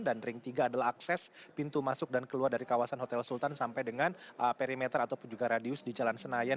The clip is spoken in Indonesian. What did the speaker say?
dan ring tiga adalah akses pintu masuk dan keluar dari kawasan hotel sultan sampai dengan perimeter ataupun juga radius di jalan senayan